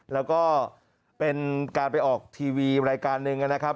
แล้วก็เป็นการไปออกทีวีรายการหนึ่งนะครับ